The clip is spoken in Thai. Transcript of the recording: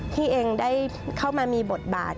ที่เองได้เข้ามามีบทบาท